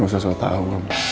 gak usah usah tau